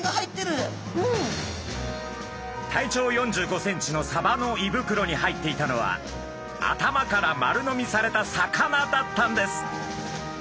体長４５センチのサバのいぶくろに入っていたのは頭から丸飲みされた魚だったんです。